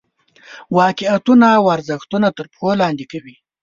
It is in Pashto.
واقعیتونه او ارزښتونه تر پښو لاندې کوي.